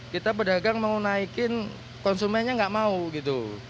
kita pedagang mau naikin konsumennya nggak mau gitu